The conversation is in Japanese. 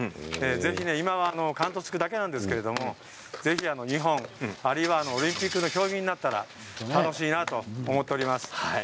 ぜひ、今は関東地区だけなんですけれど日本、あるいはオリンピックの競技になったら楽しいなと思っております。